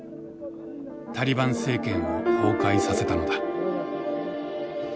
タリバン政権を崩壊させたのだ。